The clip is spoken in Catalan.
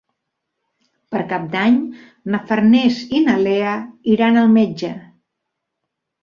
Per Cap d'Any na Farners i na Lea iran al metge.